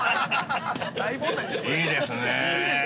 ◆いいですね。